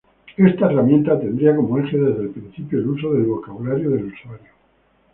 Esta herramienta tendría como eje desde el principio el uso del vocabulario del usuario.